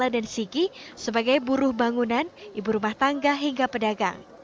dan sigi sebagai buruh bangunan ibu rumah tangga hingga pedagang